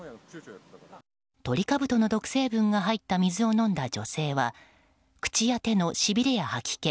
トリカブトの毒成分が入った水を飲んだ女性は口や手のしびれや吐き気